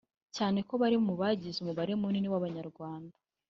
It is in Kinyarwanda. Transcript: cyane ko bari no mu bagize umubare munini w’Abanyarwanda